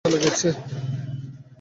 ওটা চলে গেছে।